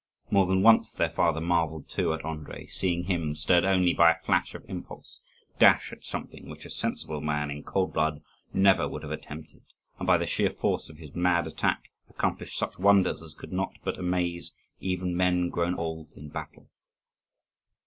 More than once their father marvelled too at Andrii, seeing him, stirred only by a flash of impulse, dash at something which a sensible man in cold blood never would have attempted, and, by the sheer force of his mad attack, accomplish such wonders as could not but amaze even men grown old in battle.